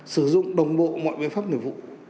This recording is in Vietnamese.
sử dụng đồng bộ mọi biện pháp nội vụ